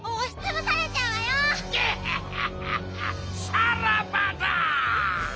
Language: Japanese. さらばだ！